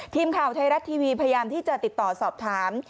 ทีมข่าวไทยรัฐทีวีพยายามที่จะติดต่อสอบถาม